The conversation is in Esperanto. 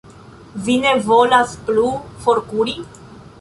Vi ne volas plu forkuri?